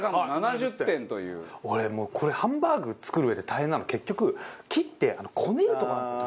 俺もうこれハンバーグ作るうえで大変なの結局切ってこねるとこなんですよ。